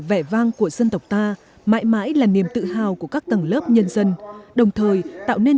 vẻ vang của dân tộc ta mãi mãi là niềm tự hào của các tầng lớp nhân dân đồng thời tạo nên